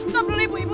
stop dulu ibu ibu